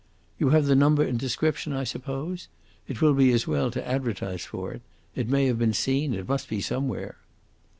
"You have the number and description, I suppose? It will be as well to advertise for it. It may have been seen; it must be somewhere."